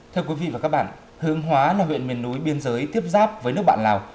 thưa quý vị và các bạn hướng hóa là huyện miền núi biên giới tiếp giáp với nước bạn lào